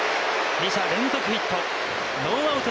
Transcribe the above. ２者連続ヒット。